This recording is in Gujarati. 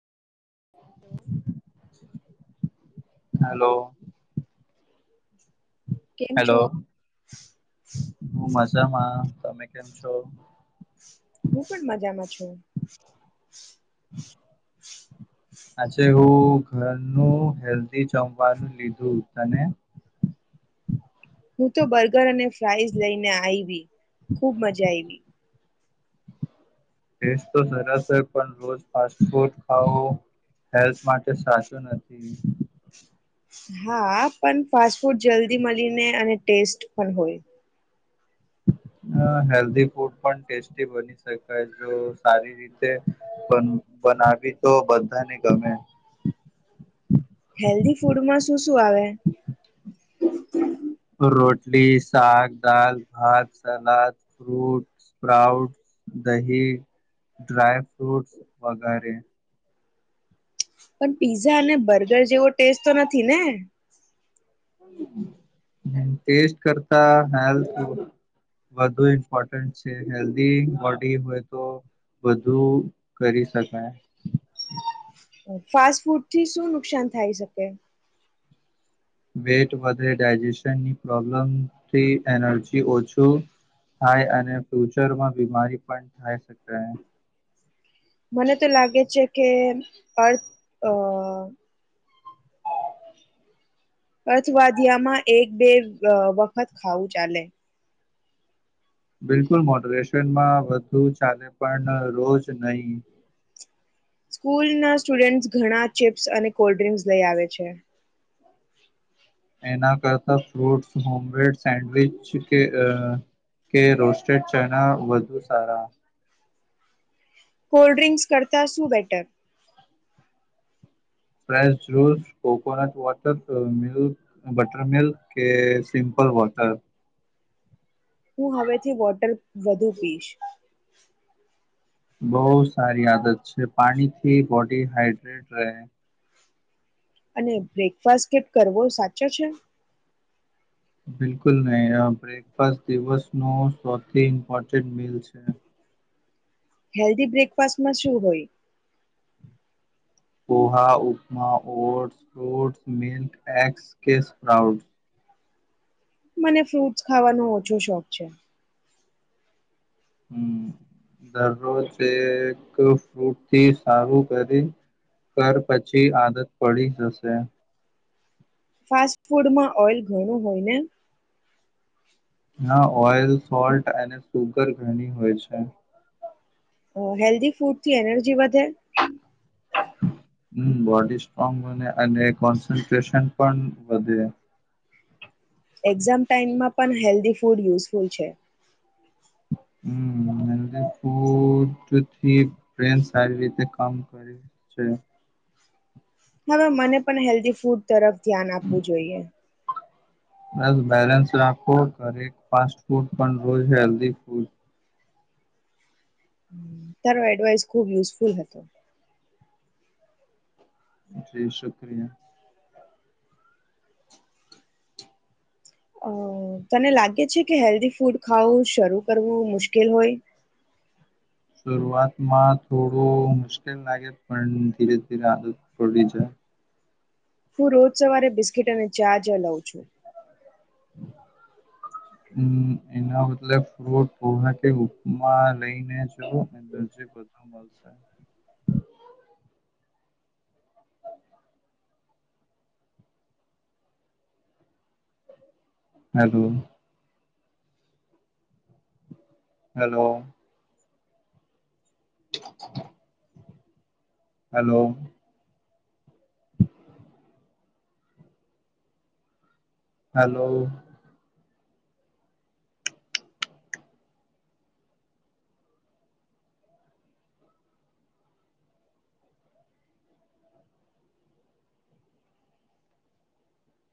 હેલો કેમ છો હેલો જમા, તમે કેમ છો. હુ, પણ મજામાં છું. [inaudible] આચછે, હુ ઘરનું હેલ્ધી, જમવાનું લીધું તને [inaudible] હુ, તો બર્ગર અને ફ્રઇઝ લઈને આવી ખુબ મજા આવી ટેસ્ટ, તો સરસ હોય, પણ રોજ ફાસ્ટ ફૂડ ખાવું હેલ્થ, માટે સાચું નથી હા, પણ ફાસ્ટ ફૂડ જલ્દી મળીને અને ટેસ્ટ પણ હોય. હ હેલ્ધી ફૂડ, પણ ટેસ્ટી બની શકાય જો સારી રીતે બનાવી, તો બધાને ગમે હેલ્ધી ફૂડમાં શું શું, આવે. રોટલી, શક દાલ ભત સલાદ ફ્રૂટ સ્પ્રાઉટ દહી, ડ્રાય ફ્રૂટસ વગેરે. પણ, પીઝા અને બર્ગર જેવો ટેસ્ટ તો નથી, ને ટેસ્ટ, કરતા હેલ્થ વધુ ઇમ્પોર્ટન્ટ છે, હેલ્ધી બોડી હોય, તો બધુ, કરી શકાય. ફાસ્ટ, ફૂડ થી શું નુકસાન થાય શકે. વેટ વધારે ડાયજેશનની, પ્રોબ્લેમથી એનર્જી ઓછું. થાય અને ફ્યુચરમા, બીમારી પણ થાય શકે. મને તો લાગે છે, કે અર્થ અ અર્થવાદ્યામા, એક બે વખત ખાવું ચાલે બિલકુલ, મોટરેશનમા વધુ ચાલે પણ રોજ નહી. સ્કૂલના, સ્ટુડન્ટ્સ ઘણા ચિપ્સ અને કોલ્ડ ડ્રિંક્સ લઈ આવે છે. એના કરતા ફ્રૂટ્સ, હોમમેડ સેન્ડવિચ કે. કે રોસ્ટેડ, ચણા વધુ સારા કોલ્ડ્રિંક્સ કરતા શું, better fresh, juice coconut water milk, butter milk કે સિમપ બ બોટ્ટલ હુ હવેથી, વોટર વધુ પીશ બહુ સારી આદત છે, પાણીથી બોડી હાઈડ્રેટ રહે. અને, બ્રેકફાસ્ટ કે કરવો સાચો છે. બિલકુલ નહી. આ બ્રેકફાસ્ટ દિવસનો સૌથી ઇમ્પોર્ટન્ટ મિલ છે. હેલ્ધી, બ્રેકફાસ્ટમાં શું હોય. પહા, ઉપમા ઓટ્ ફ્રૂટ્સ મિલ્ક એગસ કે સ્પ્રાઉટ્ મને ફ્રૂટસ ખાવાનો, ઓછો શોખ છે. હમ્મ દરરો, જ ફૂટથી સારું કરી કર પછી આદત, પડી જશે ફાસ્ટ ફૂડમા ઓઈલ ઘણું હોય, ને ઓઇલ, સોલ્ટ અને સુગર ઘણી હોય છે. હેલ્ધી ફૂડથી એનર્જી, વધે હમમ, બોડી સ્ટ્રોંગ બને અને કોન્સન્ટ્રેશન પણ વધે એક્ઝામ, ટાાઈમમાં પણ હેલ્ધી ફૂડ યુઝફુલ છે. હ હ, ફો ટ સારી રીતે કામ કર છે. હમ્મ હવે, મને પણ હેલ્ધી ફૂડ તરફ ધ્યાન આપવું જોઈએ બસ, બેલેન્સ રાખો ઘરે ફાસ્ટ ફૂડ પણ રોજ હેલ્ધ ફૂડ તારો, એડવાઈસ ખુબ યુઝફુલ હતો. જી શુક્રિયા અ તને લાગે છે, કે હેલ્ધી ફૂડ ખાવું શરૂ કરવું મુશ્કેલ હોય. [inaudible] શરૂઆતમાં થોડુ, મુશ્કેલ લાગે પણ ધીરે ધીરે આદત પડી જાય હુ રોજ સવારે બિસ્કીિટ, અને ચા જ લઉં છુ. હમ, એના બતલેબ ફટ કે ઉપમા લઈને છ. હ, બ છે. હલો. હેલો. હલો. હેલો.